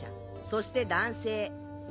そして男性。